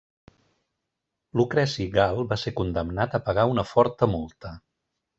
Lucreci Gal va ser condemnat a pagar una forta multa.